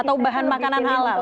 atau bahan makanan halal